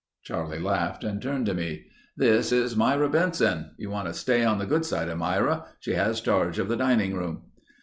Charlie laughed and turned to me: "This is Myra Benson. You want to stay on the good side of Myra. She has charge of the dining room."